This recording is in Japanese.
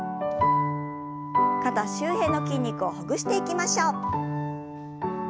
肩周辺の筋肉をほぐしていきましょう。